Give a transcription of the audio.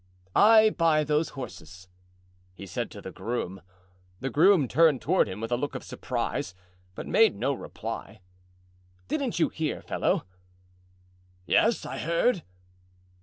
"I buy those horses," he said to the groom. The groom turned toward him with a look of surprise, but made no reply. "Didn't you hear, fellow?" "Yes, I heard."